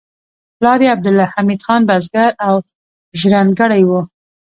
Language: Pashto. پلار یې عبدالحمید خان بزګر او ژرندګړی و